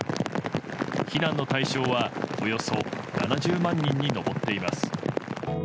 避難の対象はおよそ７０万人に上っています。